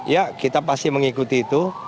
ya kita pasti mengikuti itu